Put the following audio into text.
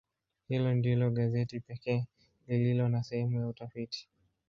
Hili ndilo gazeti pekee lililo na sehemu ya utafiti.